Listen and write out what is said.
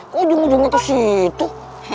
kok ujung ujungnya ke situ